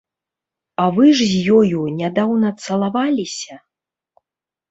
А вы ж з ёю нядаўна цалаваліся?